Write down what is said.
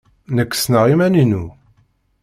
Nekk ssneɣ iman-inu.